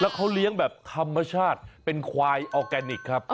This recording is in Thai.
เขาเลี้ยงแบบธรรมชาติเป็นควายออร์แกนิคครับ